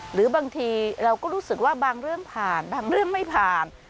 หรือบางทีเราก็รู้สึกว่าบางเรื่องผ่านบางเรื่องไม่ผ่าน